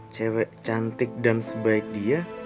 cewek cantik dan sebaik dia